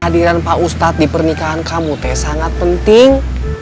hadiran pak ustad di pernikahan kamu teh sangat penting